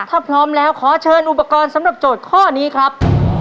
ถ้าพร้อมแล้วขอเชิญอุปกรณ์สำหรับโจทย์ข้อนี้ครับ